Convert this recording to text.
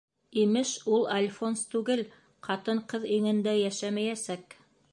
Имеш, ул альфонс түгел, ҡатын-ҡыҙ иңендә йәшәмәйәсәк.